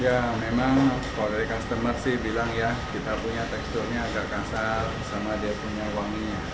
ya memang kalau dari customer sih bilang ya kita punya teksturnya agak kasar sama dia punya wanginya